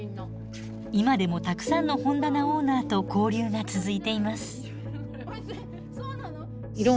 今でもたくさんの本棚オーナーと交流が続いています。